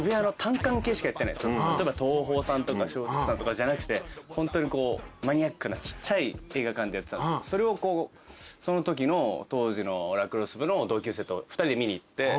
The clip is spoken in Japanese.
例えば東宝さんとか松竹さんとかじゃなくてホントにマニアックなちっちゃい映画館でやってたんですけどそれをそのときの当時のラクロス部の同級生と２人で見に行って。